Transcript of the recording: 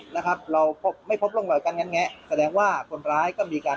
นะครับเราไม่พบลงรอยกันงั้นไงแสดงว่าคนร้ายก็มีการ